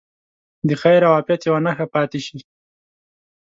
د خیر او عافیت یوه نښه پاتې شي.